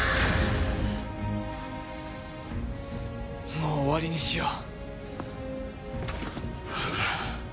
もう終わりにしよう。